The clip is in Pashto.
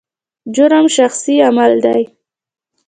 جرم شخصي عمل دی.